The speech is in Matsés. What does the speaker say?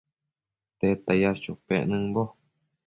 ¿Tedta yash chopec nëmbo ?